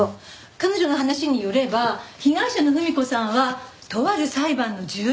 彼女の話によれば被害者の文子さんはとある裁判の重要な証人だったんだって。